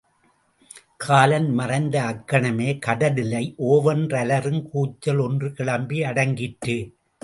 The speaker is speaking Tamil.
காலன் மறைந்த அக் கணமே கடலிடை ஒவென்றலறுங் கூச்சல் ஒன்று கிளம்பி யடங்கிற்று.